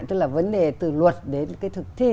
tức là vấn đề từ luật đến cái thực thi